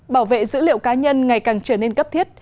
bảo vệ dữ liệu cá nhân ngày càng trở nên cấp thiết